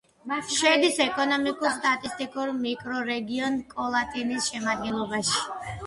შედის ეკონომიკურ-სტატისტიკურ მიკრორეგიონ კოლატინის შემადგენლობაში.